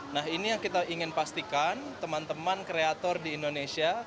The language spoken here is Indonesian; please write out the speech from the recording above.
nah ini yang kita ingin pastikan teman teman kreator di indonesia